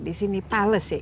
di sini palace ya